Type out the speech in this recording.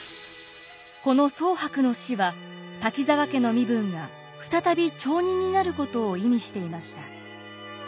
この宗伯の死は滝沢家の身分が再び町人になることを意味していました。